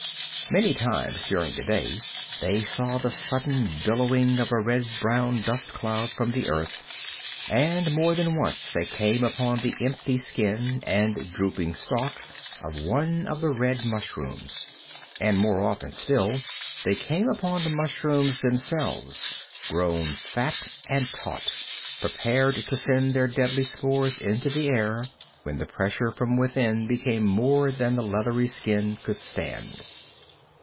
Many times during the day they saw the sudden billowing of a red brown dust cloud from the earth, and more than once they came upon the empty skin and drooping stalk of one of the red mushrooms, and more often still they came upon the mushrooms themselves, grown fat and taut, prepared to send their deadly spores into the air when the pressure from within became more than the leathery skin could stand.